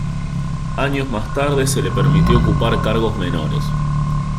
Años más tarde se le permitió ocupar cargos menores.